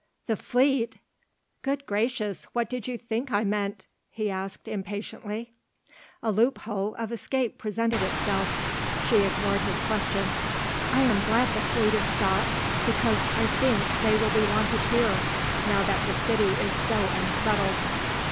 "The fleet!" "Good gracious! What did you think I meant?" he asked impatiently. A loophole of escape presented itself. She ignored his question. "I am glad the fleet is stopped because I think they will be wanted here, now that the city is so unsettled."